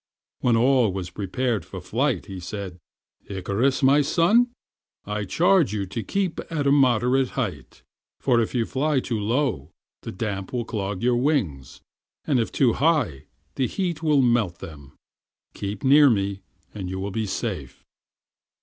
When all was prepared for flight he said, "Icarus, my son, I charge you to keep at a moderate height, for if you fly too low the damp will clog your wings, and if too high the heat will melt them. Keep near me and you will be safe."